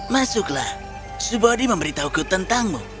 masuklah subodhi memberitahuku tentangmu